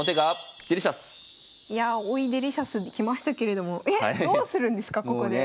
いやあ追いデリシャスできましたけれどもえっどうするんですかここで。